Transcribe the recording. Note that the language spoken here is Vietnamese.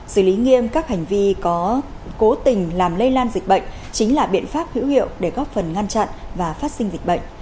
xử lý nghiêm các hành vi có cố tình làm lây lan dịch bệnh chính là biện pháp hữu hiệu để góp phần ngăn chặn và phát sinh dịch bệnh